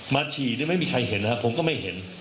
ฉี่นี่ไม่มีใครเห็นนะครับผมก็ไม่เห็น